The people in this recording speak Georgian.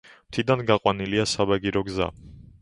მთიდან გაყვანილია საბაგირო გზა.